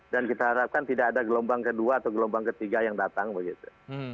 dan kita harapkan tidak ada gelombang kedua atau gelombang ketiga yang datang begitu